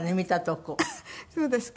そうですか？